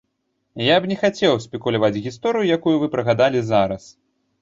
Я б не хацеў спекуляваць гісторыяй, якую вы прыгадалі зараз.